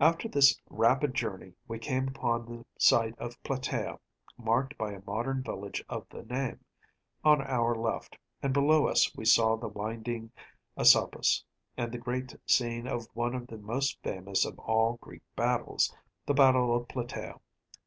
After this rapid journey we came upon the site of Platæa, marked by a modern village of the name, on our left, and below us we saw the winding Asopus, and the great scene of one of the most famous of all Greek battles‚ÄĒthe battle of Platæa.